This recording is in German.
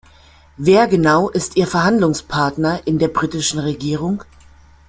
Wer genau ist Ihr Verhandlungspartner in der britischen Regierung?